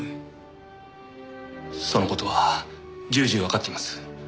その事は重々わかっています。